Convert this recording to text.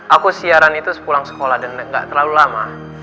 aku siaran itu pulang sekolah dan gak terlalu lama